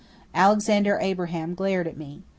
Alexander Abraham glared at me.